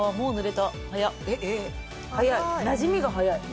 早いなじみが早い。